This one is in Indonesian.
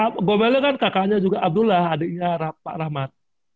pak gomele kan kakaknya juga abdullah adiknya pak rahmat